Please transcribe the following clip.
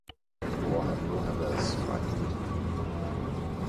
Hvor han må have været skrækkeligt ene!